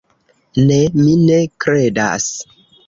Ne, mi ne kredas.